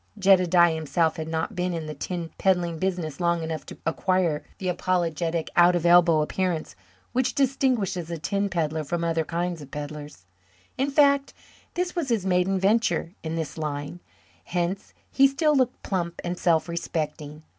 Jedediah himself had not been in the tin peddling business long enough to acquire the apologetic, out at elbows appearance which distinguishes a tin pedlar from other kinds of pedlars. In fact, this was his maiden venture in this line; hence he still looked plump and self respecting.